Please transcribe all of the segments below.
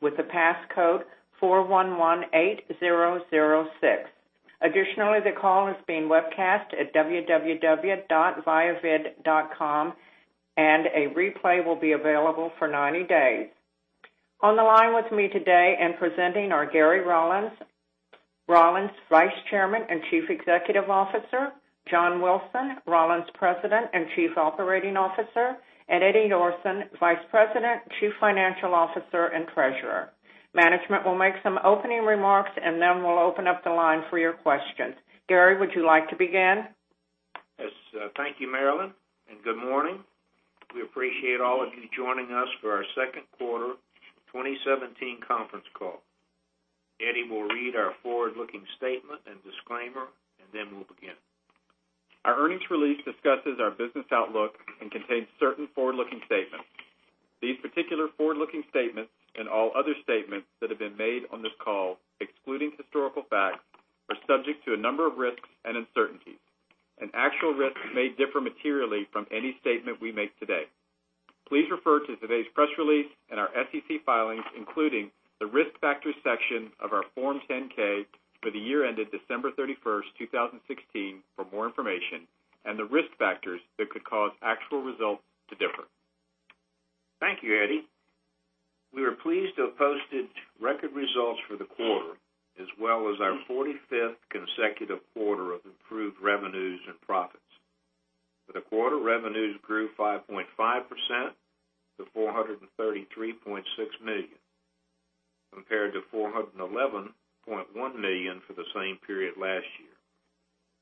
with the passcode 4118006. Additionally, the call is being webcast at www.viavid.com, and a replay will be available for 90 days. On the line with me today and presenting are Gary Rollins' Vice Chairman and Chief Executive Officer, John Wilson, Rollins' President and Chief Operating Officer, and Eddie Northen, Vice President, Chief Financial Officer, and Treasurer. Management will make some opening remarks. Then we'll open up the line for your questions. Gary, would you like to begin? Yes. Thank you, Marilynn. Good morning. We appreciate all of you joining us for our second quarter 2017 conference call. Eddie will read our forward-looking statement and disclaimer. Then we'll begin. Our earnings release discusses our business outlook and contains certain forward-looking statements. These particular forward-looking statements, and all other statements that have been made on this call excluding historical facts, are subject to a number of risks and uncertainties. An actual risk may differ materially from any statement we make today. Please refer to today's press release and our SEC filings, including the Risk Factors section of our Form 10-K for the year ended December 31st, 2016, for more information on the risk factors that could cause actual results to differ. Thank you, Eddie. We are pleased to have posted record results for the quarter, as well as our 45th consecutive quarter of improved revenues and profits. For the quarter, revenues grew 5.5% to $433.6 million, compared to $411.1 million for the same period last year.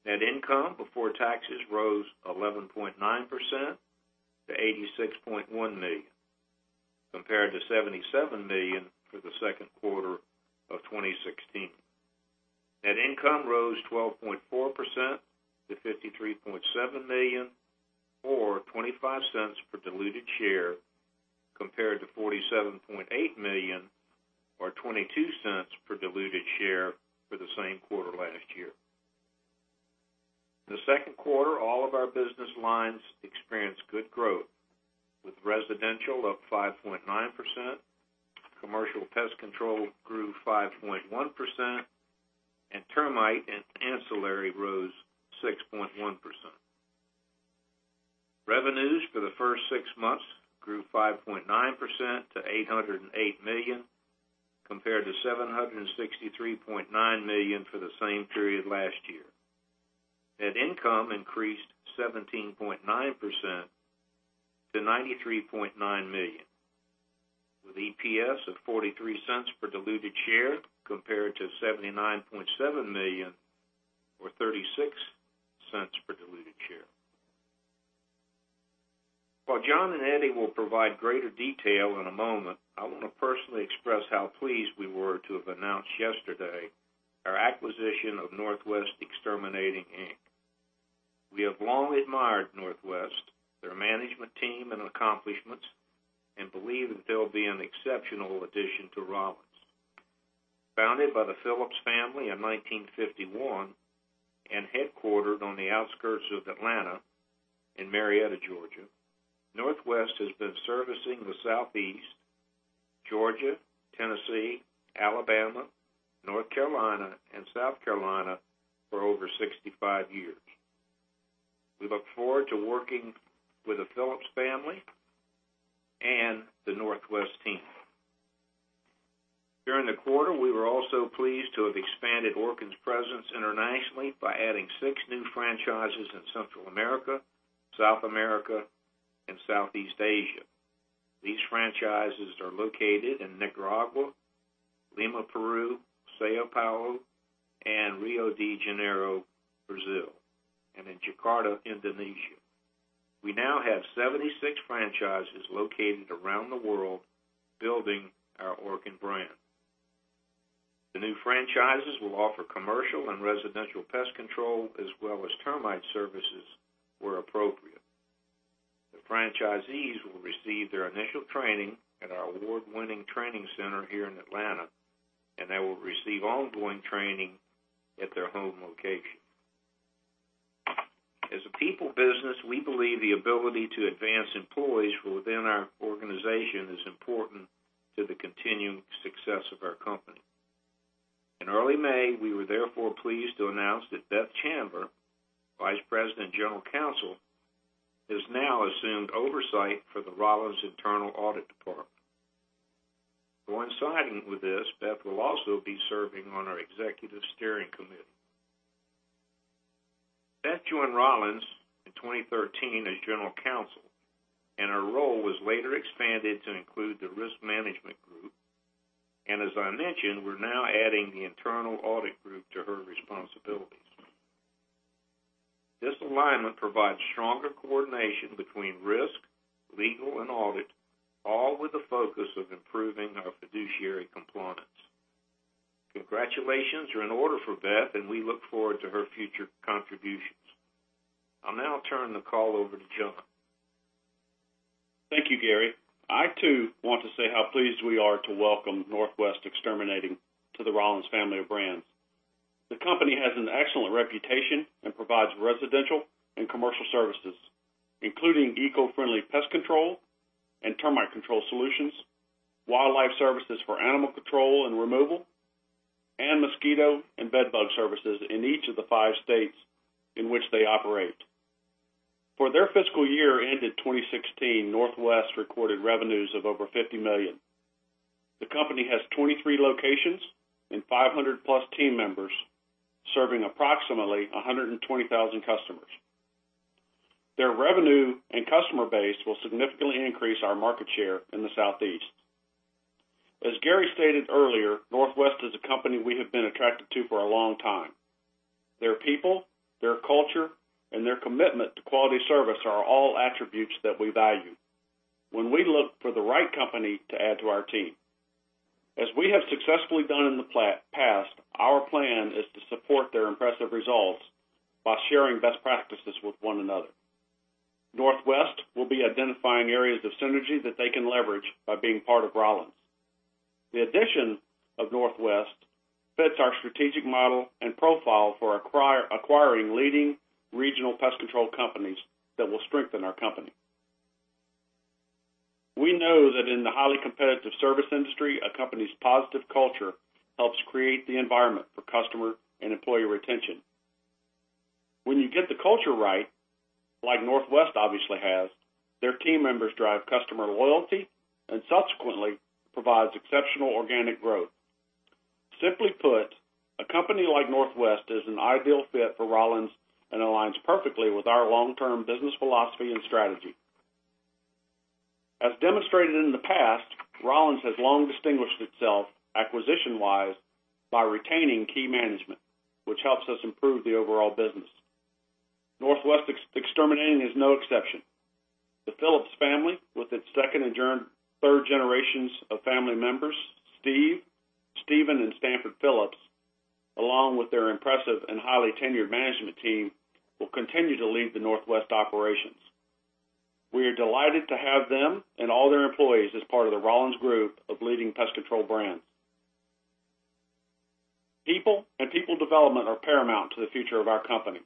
Net income before taxes rose 11.9% to $86.1 million, compared to $77 million for the second quarter of 2016. Net income rose 12.4% to $53.7 million, or $0.25 per diluted share, compared to $47.8 million or $0.22 per diluted share for the same quarter last year. In the second quarter, all of our business lines experienced good growth, with residential up 5.9%, commercial pest control grew 5.1%, and termite and ancillary rose 6.1%. Revenues for the first six months grew 5.9% to $808 million, compared to $763.9 million for the same period last year. Net income increased 17.9% to $93.9 million, with EPS of $0.43 per diluted share compared to $79.7 million or $0.36 per diluted share. John and Eddie will provide greater detail in a moment, I want to personally express how pleased we were to have announced yesterday our acquisition of Northwest Exterminating Co., Inc. We have long admired Northwest, their management team, and accomplishments and believe that they'll be an exceptional addition to Rollins. Founded by the Phillips family in 1951 and headquartered on the outskirts of Atlanta in Marietta, Georgia, Northwest has been servicing the Southeast, Georgia, Tennessee, Alabama, North Carolina, and South Carolina for over 65 years. We look forward to working with the Phillips family and the Northwest team. During the quarter, we were also pleased to have expanded Orkin's presence internationally by adding six new franchises in Central America, South America, and Southeast Asia. These franchises are located in Nicaragua, Lima, Peru, São Paulo and Rio de Janeiro, Brazil, and in Jakarta, Indonesia. We now have 76 franchises located around the world building our Orkin brand. The new franchises will offer commercial and residential pest control as well as termite services where appropriate. The franchisees will receive their initial training at our award-winning training center here in Atlanta, and they will receive ongoing training at their home location. As a people business, we believe the ability to advance employees within our organization is important to the continuing success of our company. In early May, we were therefore pleased to announce that Beth Chandler, Vice President and General Counsel, has now assumed oversight for the Rollins Internal Audit Department. Coinciding with this, Beth will also be serving on our executive steering committee. Beth joined Rollins in 2013 as General Counsel, and her role was later expanded to include the Risk Management Group, and as I mentioned, we're now adding the Internal Audit Group to her responsibilities. This alignment provides stronger coordination between Risk, Legal, and Audit, all with the focus of improving our fiduciary compliance. Congratulations are in order for Beth, and we look forward to her future contributions. I'll now turn the call over to John. Thank you, Gary. I too want to say how pleased we are to welcome Northwest Exterminating to the Rollins family of brands. The company has an excellent reputation and provides residential and commercial services, including eco-friendly pest control and termite control solutions, wildlife services for animal control and removal, and mosquito and bedbug services in each of the five states in which they operate. For their fiscal year ended 2016, Northwest recorded revenues of over $50 million. The company has 23 locations and 500-plus team members serving approximately 120,000 customers. Their revenue and customer base will significantly increase our market share in the Southeast. As Gary stated earlier, Northwest is a company we have been attracted to for a long time. Their people, their culture, and their commitment to quality service are all attributes that we value when we look for the right company to add to our team. As we have successfully done in the past, our plan is to support their impressive results by sharing best practices with one another. Northwest will be identifying areas of synergy that they can leverage by being part of Rollins. The addition of Northwest fits our strategic model and profile for acquiring leading regional pest control companies that will strengthen our company. We know that in the highly competitive service industry, a company's positive culture helps create the environment for customer and employee retention. When you get the culture right, like Northwest obviously has, their team members drive customer loyalty, and subsequently provides exceptional organic growth. Simply put, a company like Northwest is an ideal fit for Rollins and aligns perfectly with our long-term business philosophy and strategy. As demonstrated in the past, Rollins has long distinguished itself acquisition-wise by retaining key management, which helps us improve the overall business. Northwest Exterminating is no exception. The Phillips family, with its second and third generations of family members, Steve and Stanford Phillips, along with their impressive and highly tenured management team, will continue to lead the Northwest operations. We are delighted to have them and all their employees as part of the Rollins group of leading pest control brands. People and people development are paramount to the future of our company.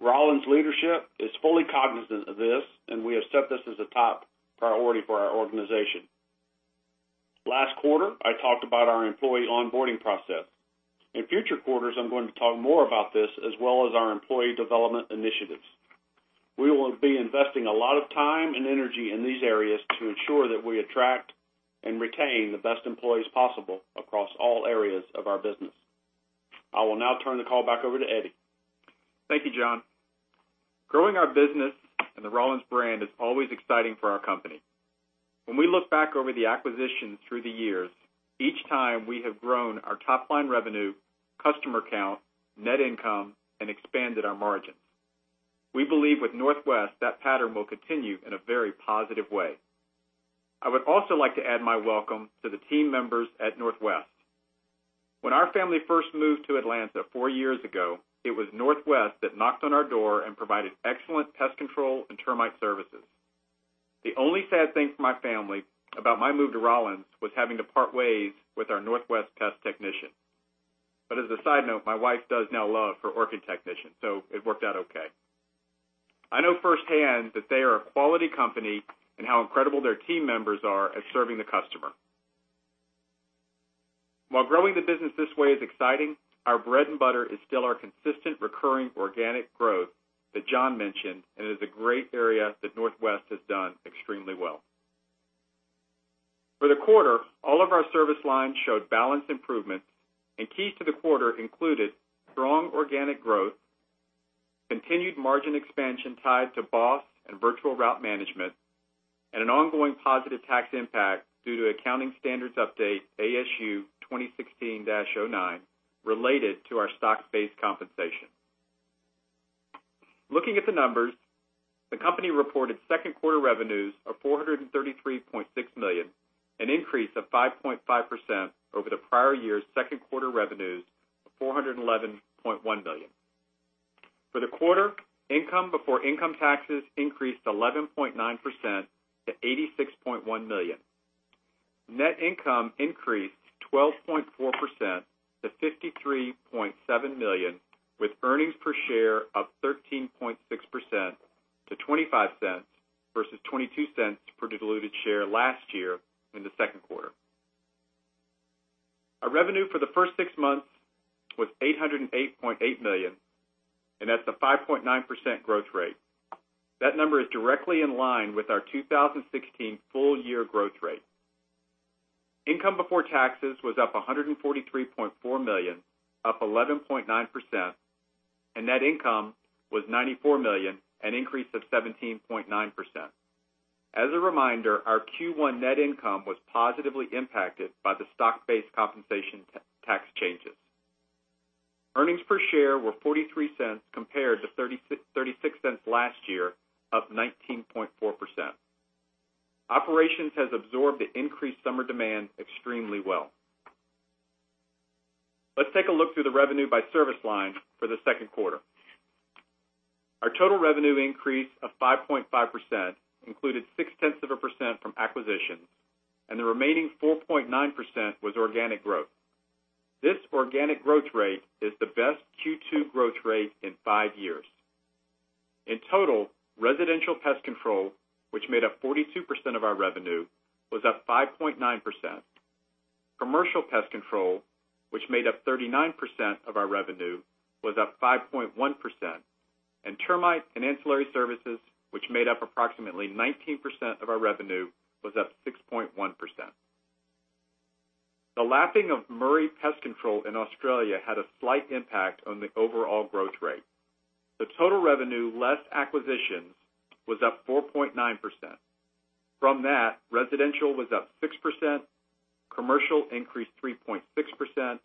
Rollins leadership is fully cognizant of this, and we have set this as a top priority for our organization. Last quarter, I talked about our employee onboarding process. In future quarters, I'm going to talk more about this as well as our employee development initiatives. We will be investing a lot of time and energy in these areas to ensure that we attract and retain the best employees possible across all areas of our business. I will now turn the call back over to Eddie. Thank you, John. Growing our business and the Rollins brand is always exciting for our company. When we look back over the acquisitions through the years, each time we have grown our top-line revenue, customer count, net income, and expanded our margins. We believe with Northwest, that pattern will continue in a very positive way. I would also like to add my welcome to the team members at Northwest. When our family first moved to Atlanta four years ago, it was Northwest that knocked on our door and provided excellent pest control and termite services. The only sad thing for my family about my move to Rollins was having to part ways with our Northwest pest technician. As a side note, my wife does now love her Orkin technician, it worked out okay. I know firsthand that they are a quality company and how incredible their team members are at serving the customer. While growing the business this way is exciting, our bread and butter is still our consistent recurring organic growth that John mentioned, it is a great area that Northwest has done extremely well. For the quarter, all of our service lines showed balanced improvements. Key to the quarter included strong organic growth, continued margin expansion tied to BOSS and Virtual Route Management, and an ongoing positive tax impact due to accounting standards update ASU 2016-09, related to our stock-based compensation. Looking at the numbers, the company reported second quarter revenues of $433.6 million, an increase of 5.5% over the prior year's second quarter revenues of $411.1 million. For the quarter, income before income taxes increased 11.9% to $86.1 million. Net income increased 12.4% to $53.7 million, with earnings per share of 13.6% to $0.25 versus $0.22 per diluted share last year in the second quarter. Our revenue for the first six months was $808.8 million, that's a 5.9% growth rate. That number is directly in line with our 2016 full-year growth rate. Income before taxes was up $143.4 million, up 11.9%, net income was $94 million, an increase of 17.9%. As a reminder, our Q1 net income was positively impacted by the stock-based compensation tax changes. Earnings per share were $0.43 compared to $0.36 last year, up 19.4%. Operations has absorbed the increased summer demand extremely well. Let's take a look through the revenue by service line for the second quarter. Our total revenue increase of 5.5% included six tenths of a % from acquisitions, the remaining 4.9% was organic growth. This organic growth rate is the best Q2 growth rate in 5 years. In total, residential pest control, which made up 42% of our revenue, was up 5.9%. Commercial pest control, which made up 39% of our revenue, was up 5.1%. Termite and ancillary services, which made up approximately 19% of our revenue, was up 6.1%. The lapping of Murray Pest Control in Australia had a slight impact on the overall growth rate. The total revenue, less acquisitions, was up 4.9%. From that, residential was up 6%, commercial increased 3.6%,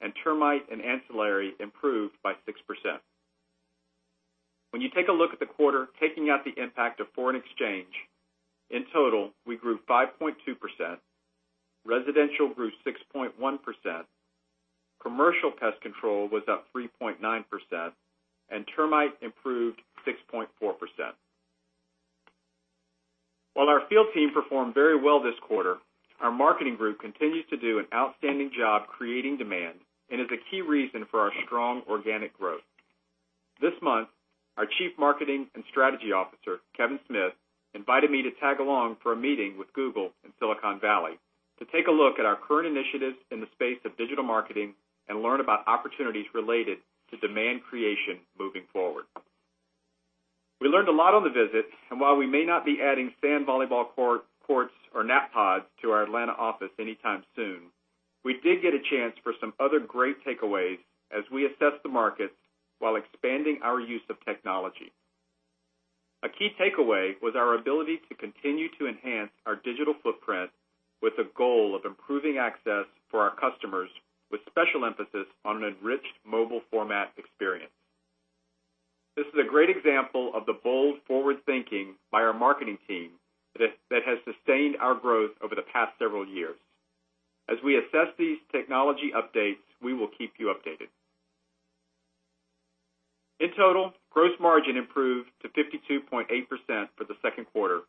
and termite and ancillary improved by 6%. When you take a look at the quarter, taking out the impact of foreign exchange, in total, we grew 5.2%. Residential grew 6.1%, commercial pest control was up 3.9%, and termite improved 6.4%. While our field team performed very well this quarter, our marketing group continues to do an outstanding job creating demand and is a key reason for our strong organic growth. This month, our Chief Marketing and Strategy Officer, Kevin Smith, invited me to tag along for a meeting with Google in Silicon Valley to take a look at our current initiatives in the space of digital marketing and learn about opportunities related to demand creation moving forward. We learned a lot on the visit, while we may not be adding sand volleyball courts or nap pods to our Atlanta office anytime soon, we did get a chance for some other great takeaways as we assess the markets while expanding our use of technology. A key takeaway was our ability to continue to enhance our digital footprint with the goal of improving access for our customers, with special emphasis on an enriched mobile format experience. This is a great example of the bold forward thinking by our marketing team that has sustained our growth over the past several years. As we assess these technology updates, we will keep you updated. In total, gross margin improved to 52.8% for the second quarter,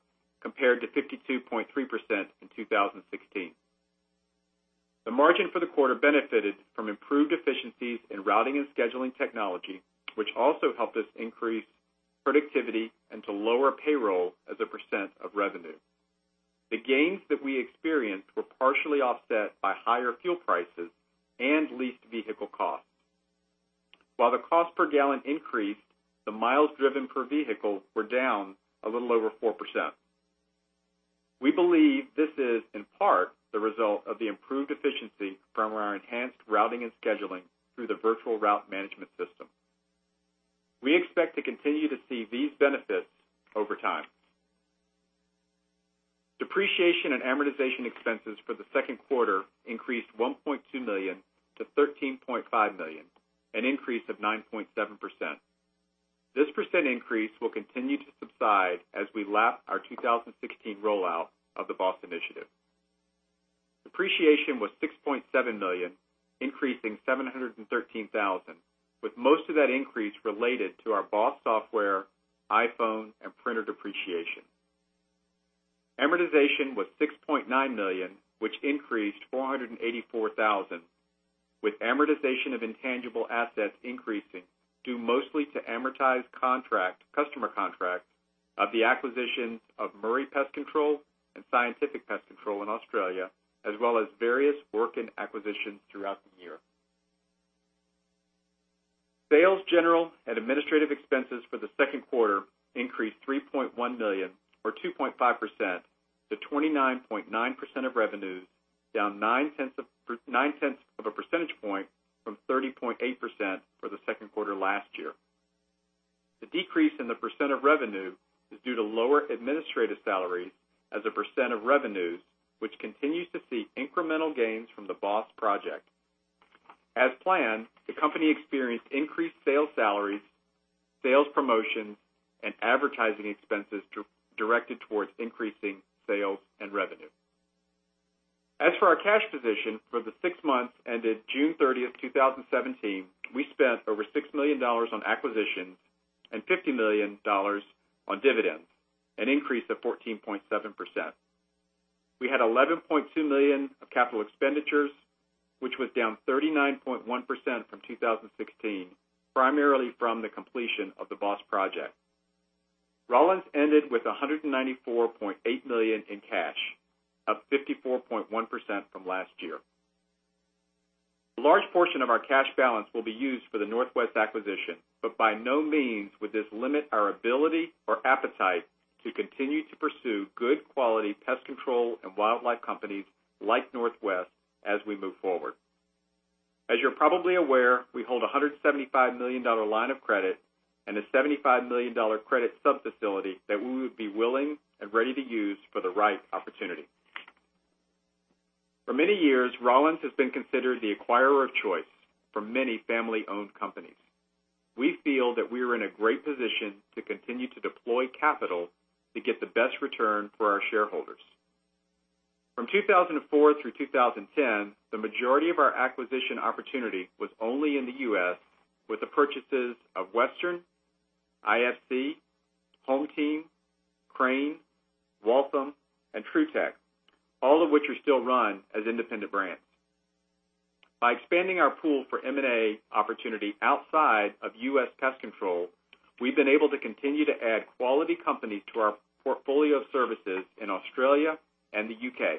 compared to 52.3% in 2016. The margin for the quarter benefited from improved efficiencies in routing and scheduling technology, which also helped us increase productivity and to lower payroll as a percent of revenue. The gains that we experienced were partially offset by higher fuel prices and leased vehicle costs. While the cost per gallon increased, the miles driven per vehicle were down a little over 4%. We believe this is, in part, the result of the improved efficiency from our enhanced routing and scheduling through the Virtual Route Management system. We expect to continue to see these benefits over time. Depreciation and amortization expenses for the second quarter increased $1.2 million to $13.5 million, an increase of 9.7%. This percent increase will continue to subside as we lap our 2016 rollout of the BOSS initiative. Depreciation was $6.7 million, increasing $713,000, with most of that increase related to our BOSS software, iPhone, and printer depreciation. Amortization was $6.9 million, which increased $484,000, with amortization of intangible assets increasing, due mostly to amortized customer contracts of the acquisitions of Murray Pest Control and Scientific Pest Management in Australia, as well as various work in acquisitions throughout the year. Sales, general, and administrative expenses for the second quarter increased $3.1 million or 2.5% to 29.9% of revenues, down nine tenths of a percentage point from 30.8% for the second quarter last year. The decrease in the percent of revenue is due to lower administrative salaries as a percent of revenues, which continues to see incremental gains from the BOSS project. As planned, the company experienced increased sales salaries, sales promotions, and advertising expenses directed towards increasing sales and revenue. As for our cash position for the six months ended June 30th, 2017, we spent over $6 million on acquisitions and $50 million on dividends, an increase of 14.7%. We had $11.2 million of capital expenditures, which was down 39.1% from 2016, primarily from the completion of the BOSS project. Rollins ended with $194.8 million in cash, up 54.1% from last year. A large portion of our cash balance will be used for the Northwest acquisition. By no means would this limit our ability or appetite to continue to pursue good quality pest control and wildlife companies like Northwest as we move forward. As you're probably aware, we hold a $175 million line of credit and a $75 million credit sub-facility that we would be willing and ready to use for the right opportunity. For many years, Rollins has been considered the acquirer of choice for many family-owned companies. We feel that we are in a great position to continue to deploy capital to get the best return for our shareholders. From 2004 through 2010, the majority of our acquisition opportunity was only in the U.S. with the purchases of Western, IFC, HomeTeam, Crane, Waltham, and Trutech, all of which are still run as independent brands. By expanding our pool for M&A opportunity outside of U.S. pest control, we've been able to continue to add quality companies to our portfolio of services in Australia and the U.K.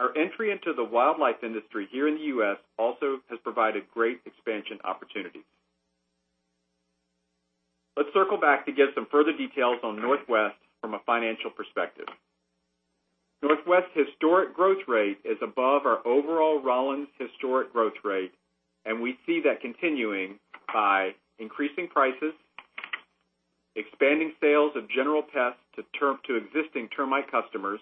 Our entry into the wildlife industry here in the U.S. also has provided great expansion opportunities. Let's circle back to get some further details on Northwest from a financial perspective. Northwest's historic growth rate is above our overall Rollins historic growth rate, and we see that continuing by increasing prices, expanding sales of general pest to existing termite customers,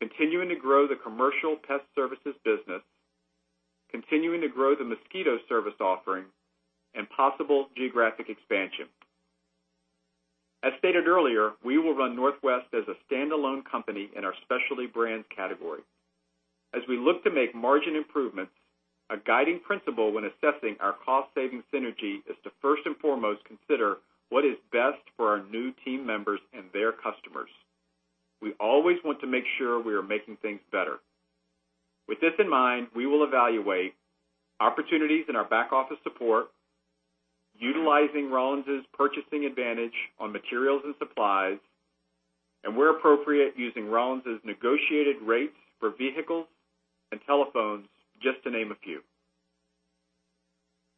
continuing to grow the commercial pest services business, continuing to grow the mosquito service offering, and possible geographic expansion. As stated earlier, we will run Northwest as a standalone company in our specialty brands category. As we look to make margin improvements, a guiding principle when assessing our cost-saving synergy is to first and foremost consider what is best for our new team members and their customers. We always want to make sure we are making things better. With this in mind, we will evaluate opportunities in our back office support, utilizing Rollins' purchasing advantage on materials and supplies, and where appropriate, using Rollins' negotiated rates for vehicles and telephones, just to name a few.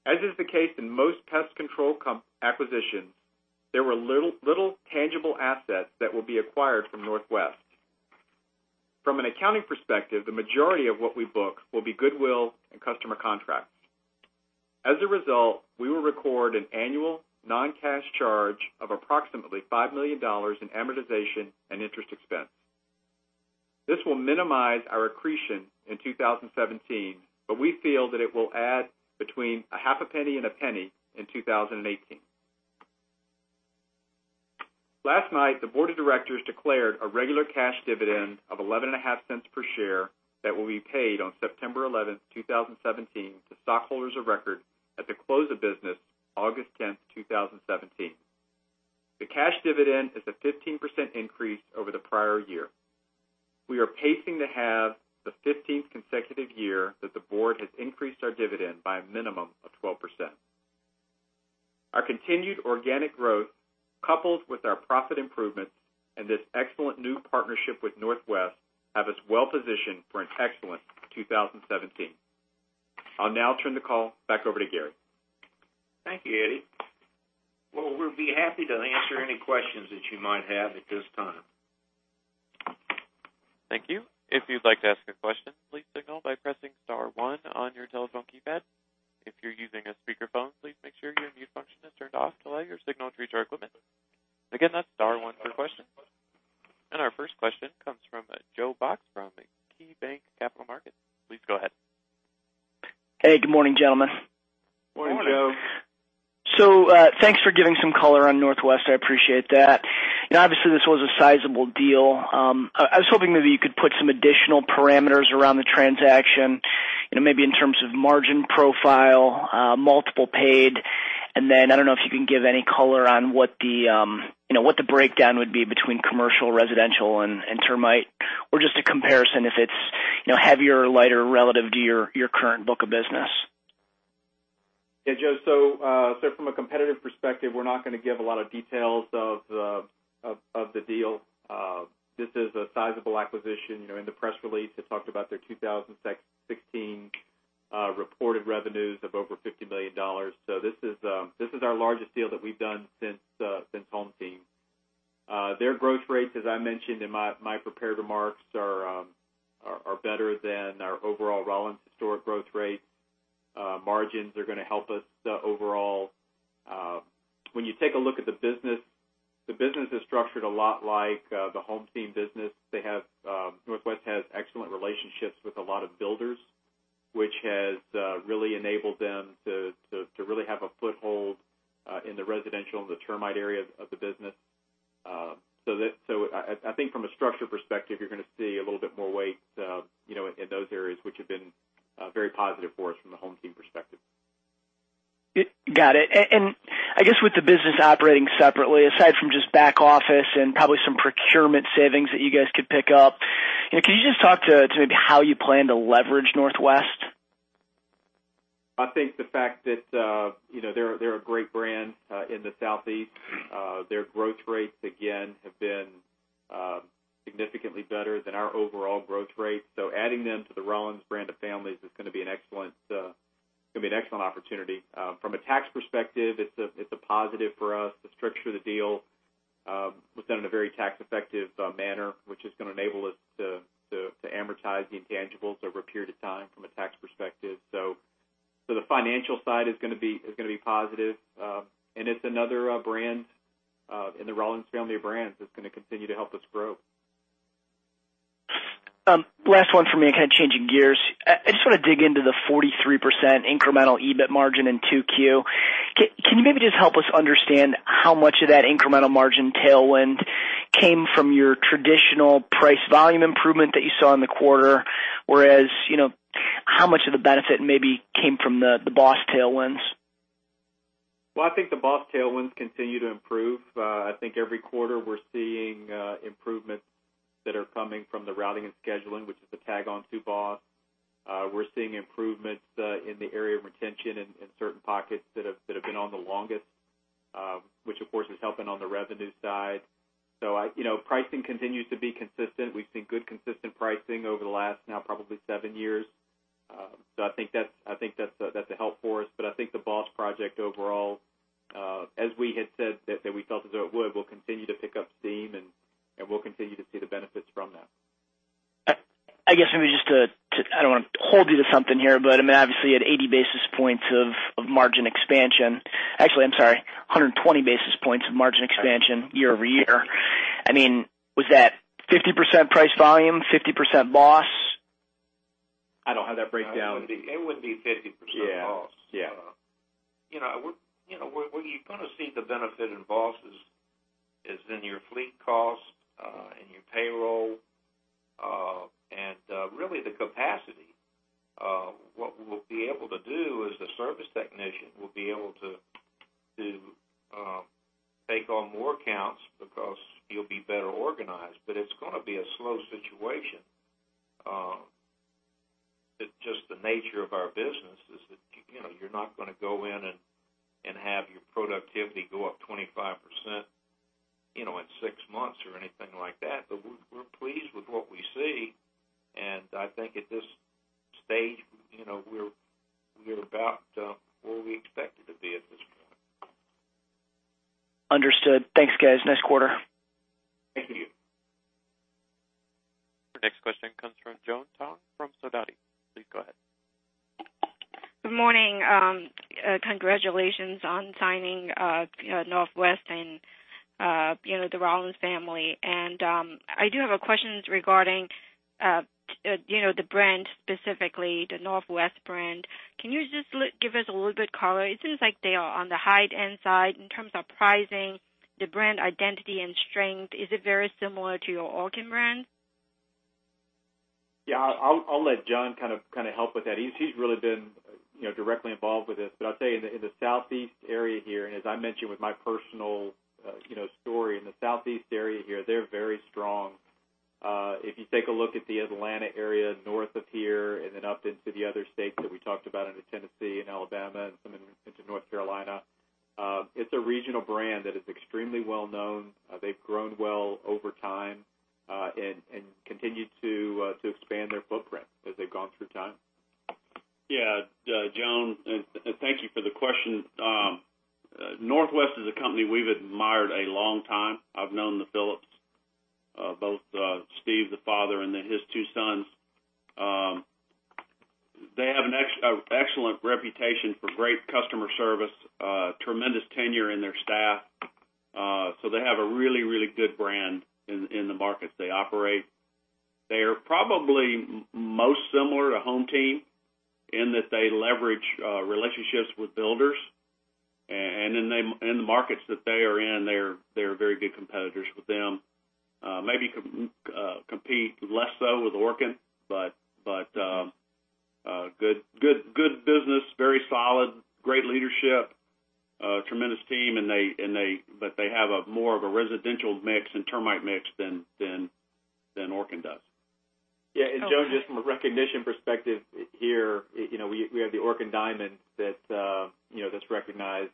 As is the case in most pest control acquisitions, there were little tangible assets that will be acquired from Northwest. From an accounting perspective, the majority of what we book will be goodwill and customer contracts. As a result, we will record an annual non-cash charge of approximately $5 million in amortization and interest expense. This will minimize our accretion in 2017, we feel that it will add between a half a penny and a penny in 2018. Last night, the board of directors declared a regular cash dividend of $0.115 per share that will be paid on September 11th, 2017, to stockholders of record at the close of business August 10th, 2017. The cash dividend is a 15% increase over the prior year. We are pacing to have the 15th consecutive year that the board has increased our dividend by a minimum of 12%. Our continued organic growth, coupled with our profit improvements and this excellent new partnership with Northwest, have us well positioned for an excellent 2017. I'll now turn the call back over to Gary. Thank you, Eddie. We'll be happy to answer any questions that you might have at this time. Thank you. If you'd like to ask a question, please signal by pressing star one on your telephone keypad. If you're using a speakerphone, please make sure your mute function is turned off to allow your signal to reach our equipment. Again, that's star one for questions. Our first question comes from Joe Box from KeyBanc Capital Markets. Please go ahead. Hey, good morning, gentlemen. Morning, Joe. Morning. Thanks for giving some color on Northwest. I appreciate that. Obviously, this was a sizable deal. I was hoping maybe you could put some additional parameters around the transaction, maybe in terms of margin profile, multiple paid, and then I don't know if you can give any color on what the breakdown would be between commercial, residential, and termite, or just a comparison, if it's heavier or lighter relative to your current book of business. Yeah, Joe. From a competitive perspective, we're not going to give a lot of details of the deal. This is a sizable acquisition. In the press release, it talked about their 2016 reported revenues of over $50 million. This is our largest deal that we've done since HomeTeam. Their growth rates, as I mentioned in my prepared remarks, are better than our overall Rollins historic growth rate. Margins are going to help us overall. When you take a look at the business, the business is structured a lot like the HomeTeam business. Northwest has excellent relationships with a lot of builders, which has really enabled them to really have a foothold in the residential and the termite area of the business. I think from a structure perspective, you're going to see a little bit more weight in those areas, which have been very positive for us from the HomeTeam perspective. Got it. I guess with the business operating separately, aside from just back office and probably some procurement savings that you guys could pick up, can you just talk to maybe how you plan to leverage Northwest? I think the fact that they're a great brand in the Southeast. Their growth rates, again, have been significantly better than our overall growth rate. Adding them to the Rollins brand of families is going to be an excellent opportunity. From a tax perspective, it's a positive for us. The structure of the deal was done in a very tax effective manner, which is going to enable us to amortize the intangibles over a period of time from a tax perspective. The financial side is going to be positive. It's another brand in the Rollins family of brands that's going to continue to help us grow. Last one for me, kind of changing gears. I just want to dig into the 43% incremental EBIT margin in Q2. Can you maybe just help us understand how much of that incremental margin tailwind came from your traditional price volume improvement that you saw in the quarter? Whereas, how much of the benefit maybe came from the BOSS tailwinds? Well, I think the BOSS tailwinds continue to improve. I think every quarter we're seeing improvements that are coming from the routing and scheduling, which is the tag on to BOSS. We're seeing improvements in the area of retention in certain pockets that have been on the longest, which of course is helping on the revenue side. Pricing continues to be consistent. We've seen good, consistent pricing over the last now probably seven years. I think that's a help for us. I think the BOSS project overall, as we had said, that we felt as though it will continue to pick up steam and we'll continue to see the benefits from that. I guess maybe just to I don't want to hold you to something here, obviously at 80 basis points of margin expansion, actually, I'm sorry, 120 basis points of margin expansion year-over-year. Was that 50% price volume, 50% BOSS? I don't have that breakdown. It wouldn't be 50% BOSS. Yeah. Where you're going to see the benefit in BOSS is in your fleet cost, in your payroll, and really the capacity. What we'll be able to do is the service technician will be able to take on more accounts because you'll be better organized. It's going to be a slow situation. Just the nature of our business is that you're not going to go in and have your productivity go up 25% in six months or anything like that. We're pleased with what we see, and I think at this stage, we're about where we expected to be at this point. Understood. Thanks, guys. Nice quarter. Thank you. Our next question comes from Joan Tong from Sidoti & Company. Please go ahead. Good morning. Congratulations on signing Northwest and the Rollins family. I do have a question regarding the brand, specifically the Northwest brand. Can you just give us a little bit color? It seems like they are on the high-end side in terms of pricing, the brand identity and strength. Is it very similar to your Orkin brand? Yeah, I'll let John kind of help with that. He's really been directly involved with this. I'll tell you in the Southeast area here, and as I mentioned with my personal story, in the Southeast area here, they're very strong. If you take a look at the Atlanta area north of here and then up into the other states that we talked about into Tennessee and Alabama and some into North Carolina, it's a regional brand that is extremely well known. They've grown well over time and continue to expand their footprint as they've gone through time. Yeah. Joan, thank you for the question. Northwest is a company we've admired a long time. I've known the Phillips, both Steve, the father, and his two sons. They have an excellent reputation for great customer service, tremendous tenure in their staff. They have a really good brand in the markets they operate. They are probably most similar to HomeTeam in that they leverage relationships with builders. In the markets that they are in, they are very good competitors with them. Maybe compete less so with Orkin, good business, very solid, great leadership, tremendous team, they have a more of a residential mix and termite mix than Orkin does. Yeah. Joan, just from a recognition perspective here, we have the Orkin Diamond that's recognized.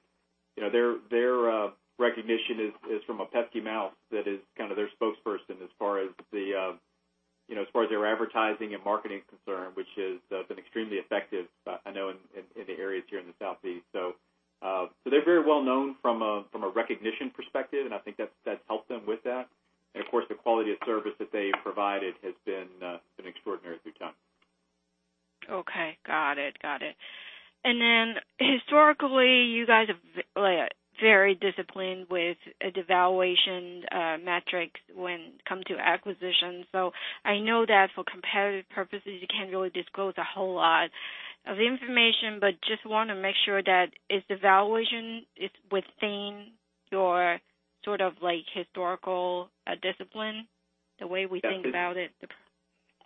Their recognition is from a pesky mouse that is kind of their spokesperson as far as their advertising and marketing concern, which has been extremely effective, I know in the areas here in the Southeast. They're very well known from a recognition perspective, and I think that's helped them with that. Of course, the quality of service that they provided has been extraordinary through time. Okay. Got it. Then historically, you guys have been very disciplined with a devaluation metric when it comes to acquisitions. I know that for competitive purposes, you can't really disclose a whole lot of information, but just want to make sure that is the valuation is within your sort of historical discipline, the way we think about it.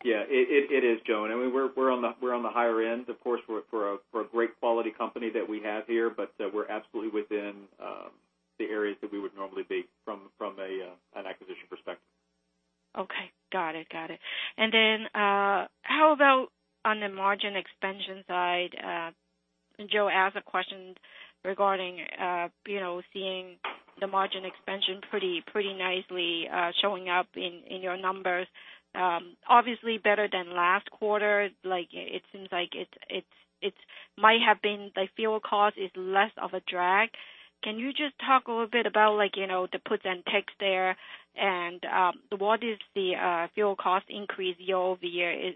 Yeah, it is, Joan. I mean, we're on the higher end, of course, for a great quality company that we have here, we're absolutely within the areas that we would normally be from an acquisition perspective. Okay. Got it. How about on the margin expansion side? Joe asked a question regarding seeing the margin expansion pretty nicely showing up in your numbers. Obviously better than last quarter. It seems like it might have been the fuel cost is less of a drag. Can you just talk a little bit about the puts and takes there, and what is the fuel cost increase year-over-year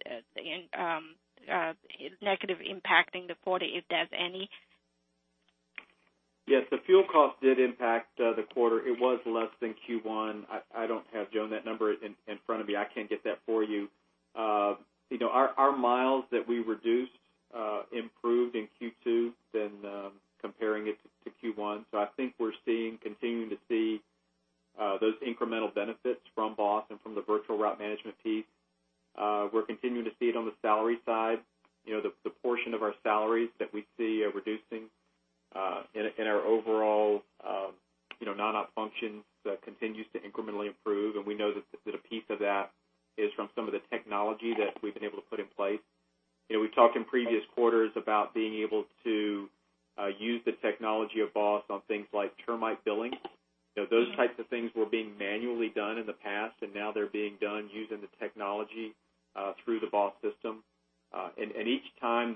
negative impacting the quarter, if there's any? Yes, the fuel cost did impact the quarter. It was less than Q1. I don't have, Joan, that number in front of me. I can't get that for you. Our miles that we reduced improved in Q2 than comparing it to Q1. I think we're continuing to see those incremental benefits from BOSS and from the Virtual Route Management piece. We're continuing to see it on the salary side. The portion of our salaries that we see reducing in our overall non-op functions continues to incrementally improve, and we know that a piece of that is from some of the technology that we've been able to put in place. We've talked in previous quarters about being able to use the technology of BOSS on things like termite billing. Those types of things were being manually done in the past, and now they're being done using the technology through the BOSS system. Each time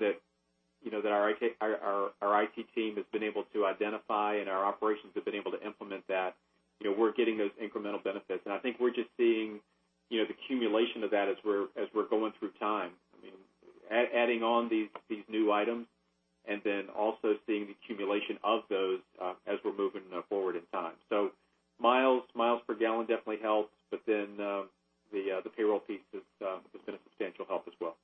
that our IT team has been able to identify and our operations have been able to implement that, we're getting those incremental benefits. I think we're just seeing the accumulation of that as we're going through time. I mean, adding on these new items and then also seeing the accumulation of those as we're moving forward in time. Miles per gallon definitely helps, the payroll piece has been a substantial help as well.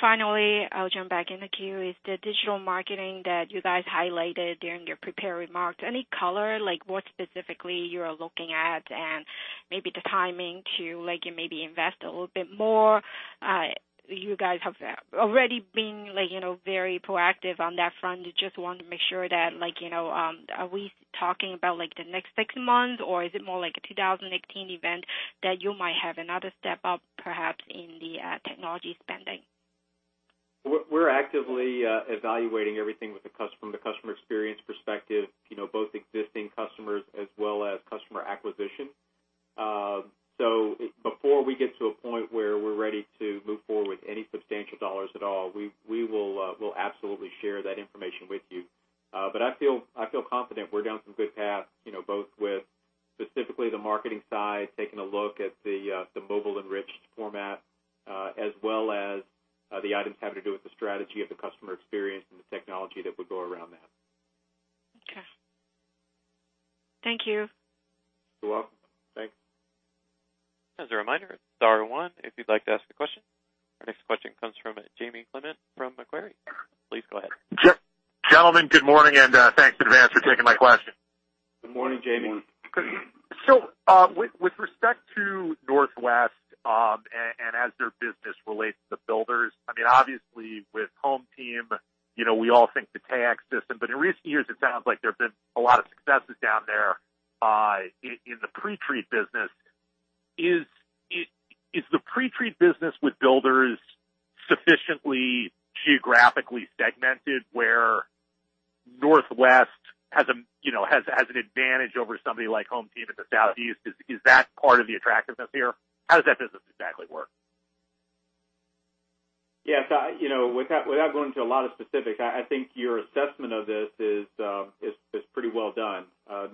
Finally, I'll jump back in the queue. Is the digital marketing that you guys highlighted during your prepared remarks, any color, like what specifically you are looking at, and maybe the timing to maybe invest a little bit more? You guys have already been very proactive on that front. You just want to make sure that are we talking about the next six months, or is it more like a 2018 event that you might have another step up perhaps in the technology spending? We're actively evaluating everything from the customer experience perspective, both existing customers as well as customer acquisition. Before we get to a point where we're ready to move forward with any substantial dollars at all, we'll absolutely share that information with you. I feel confident we're down some good paths, both with specifically the marketing side, taking a look at the mobile-enriched format, as well as the items having to do with the strategy of the customer experience and the technology that would go around that. Okay. Thank you. You're welcome. Thanks. As a reminder, star one if you'd like to ask a question. Our next question comes from Jamie Clement from Macquarie. Please go ahead. Gentlemen, good morning, and thanks in advance for taking my question. Good morning, Jamie. With respect to Northwest, and as their business relates to builders, I mean, obviously with HomeTeam, we all think the tax system, but in recent years, it sounds like there've been a lot of successes down there in the pretreat business. Is the pretreat business with builders sufficiently geographically segmented where Northwest has an advantage over somebody like HomeTeam in the Southeast? Is that part of the attractiveness here? How does that business exactly work? Yes. Without going into a lot of specifics, I think your assessment of this is pretty well done.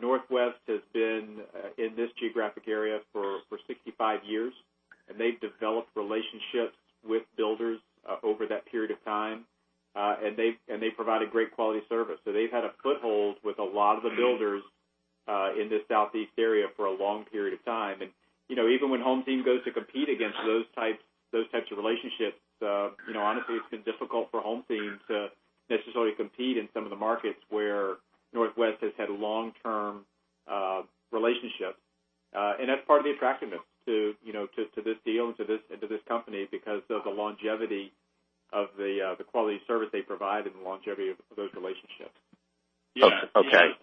Northwest has been in this geographic area for 65 years, and they've developed relationships with builders over that period of time. They provide a great quality service. They've had a foothold with a lot of the builders in the Southeast area for a long period of time. Even when HomeTeam goes to compete against those types of relationships, honestly, it's been difficult for HomeTeam to necessarily compete in some of the markets where Northwest has had long-term relationships. That's part of the attractiveness to this deal and to this company because of the longevity of the quality of service they provide and the longevity of those relationships. Okay.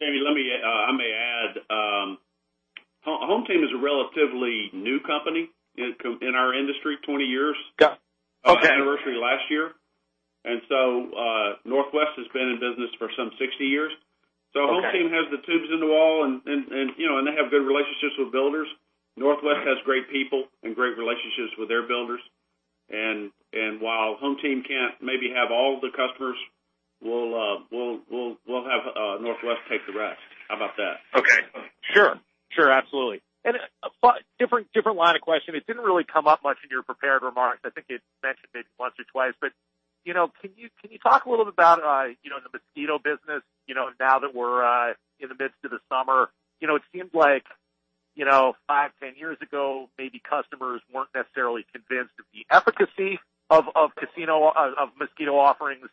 Jamie, I may add, HomeTeam is a relatively new company in our industry, 20 years. Got it. Okay. Our anniversary last year. Northwest has been in business for some 60 years. Okay. HomeTeam has the tubes in the wall, and they have good relationships with builders. Northwest has great people and great relationships with their builders. While HomeTeam can't maybe have all the customers, we'll have Northwest take the rest. How about that? Okay. Sure. Absolutely. A different line of questioning. It didn't really come up much in your prepared remarks. I think you mentioned maybe once or twice. Can you talk a little bit about the mosquito business now that we're in the midst of the summer? It seems like five, 10 years ago, maybe customers weren't necessarily convinced of the efficacy of mosquito offerings.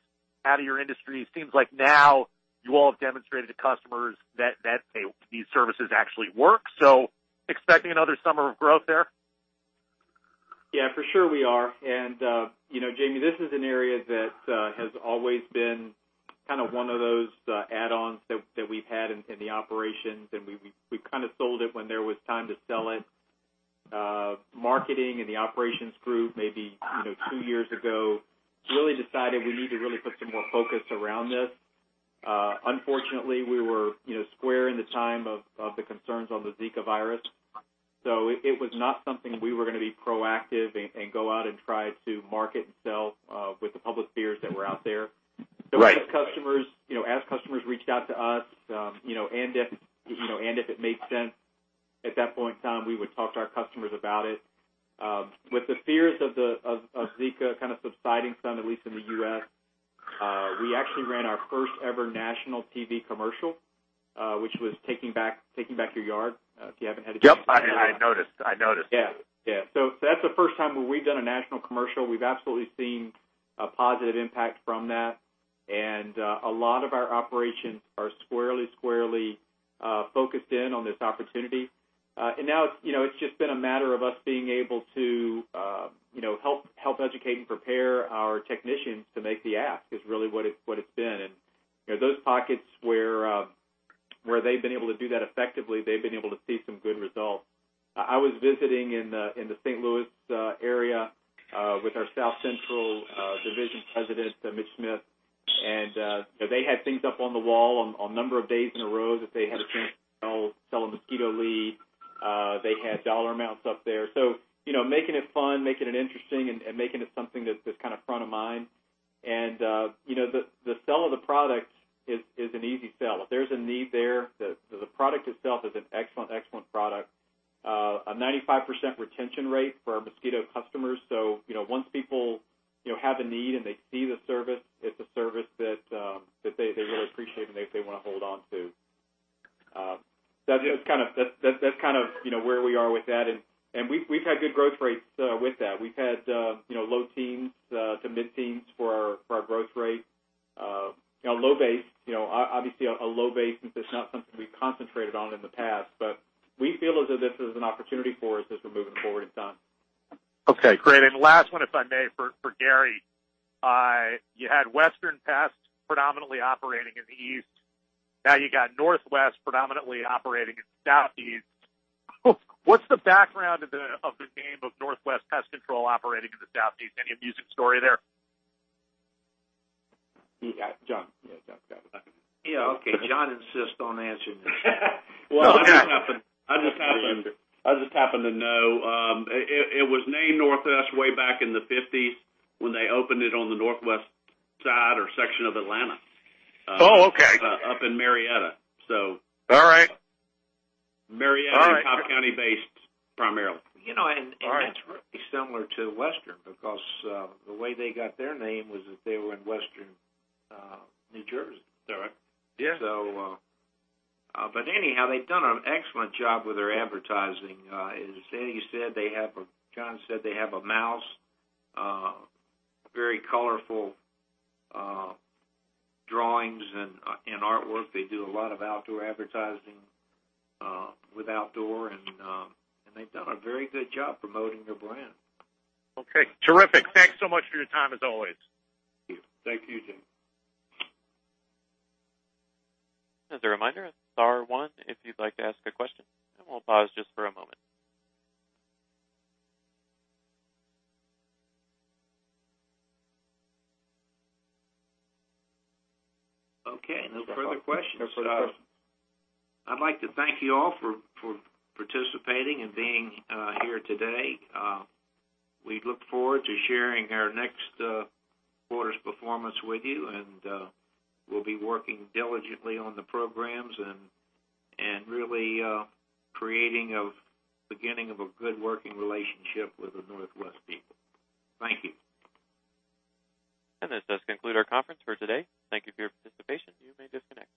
Out of your industry. It seems like now you all have demonstrated to customers that these services actually work. Expecting another summer of growth there? Yeah, for sure we are. Jamie, this is an area that has always been one of those add-ons that we've had in the operations, and we've sold it when there was time to sell it. Marketing and the operations group, maybe two years ago, really decided we need to really put some more focus around this. Unfortunately, we were square in the time of the concerns on the Zika virus. It was not something we were going to be proactive and go out and try to market and sell with the public fears that were out there. Right. As customers reached out to us, and if it made sense at that point in time, we would talk to our customers about it. With the fears of Zika kind of subsiding some, at least in the U.S., we actually ran our first ever national TV commercial, which was Taking Back Your Yard, if you haven't had a chance to see that. Yep, I noticed. Yeah. That's the first time where we've done a national commercial. We've absolutely seen a positive impact from that. A lot of our operations are squarely focused in on this opportunity. Now it's just been a matter of us being able to help educate and prepare our technicians to make the ask is really what it's been. Those pockets where they've been able to do that effectively, they've been able to see some good results. I was visiting in the St. Louis area with our South Central Division President, Mitch Smith, and they had things up on the wall on a number of days in a row that they had a chance to sell a mosquito lead. They had dollar amounts up there. Making it fun, making it interesting, and making it something that's front of mind. The sell of the product is an easy sell. There's a need there. The product itself is an excellent product. A 95% retention rate for our mosquito customers. Once people have the need and they see the service, it's a service that they really appreciate and they want to hold on to. That's kind of where we are with that. We've had good growth rates with that. We've had low teens to mid-teens for our growth rate. Obviously, a low base since it's not something we've concentrated on in the past. We feel as though this is an opportunity for us as we're moving forward in time. Okay, great. Last one, if I may, for Gary. You had Western Pest predominantly operating in the East. Now you got Northwest predominantly operating in the Southeast. What's the background of the name of Northwest Exterminating operating in the Southeast? Any amusing story there? Yeah, John. Go ahead, John. Yeah. Okay. John insists on answering this. Well, I just happen to know. It was named Northwest way back in the 1950s when they opened it on the northwest side or section of Atlanta. Oh, okay. Up in Marietta. All right. Marietta and Cobb County based primarily. That's really similar to Western, because the way they got their name was that they were in western New Jersey. Correct. Yeah. Anyhow, they've done an excellent job with their advertising. As John said, they have a mouse, very colorful drawings and artwork. They do a lot of outdoor advertising with outdoor, and they've done a very good job promoting their brand. Okay. Terrific. Thanks so much for your time, as always. Thank you. Thank you, Jamie. As a reminder, star one if you'd like to ask a question, and we'll pause just for a moment. Okay. No further questions. I'd like to thank you all for participating and being here today. We look forward to sharing our next quarter's performance with you, and we'll be working diligently on the programs and really creating a beginning of a good working relationship with the Northwest people. Thank you. This does conclude our conference for today. Thank you for your participation. You may disconnect.